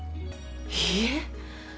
いいえ。